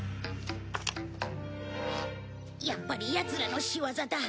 やっぱりヤツらの仕業だ。